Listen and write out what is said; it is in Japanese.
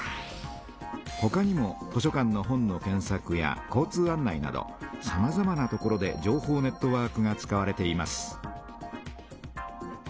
ほかにも図書館の本の検さくや交通案内などさまざまな所で情報ネットワークが使われています。